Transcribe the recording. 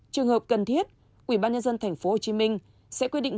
trường hợp cần thiết ubnd tp hcm sẽ quy định